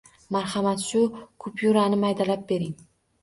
Marhamat, shu kupyurani maydalab bering.